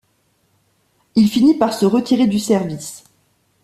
Il finit par se retirer du service.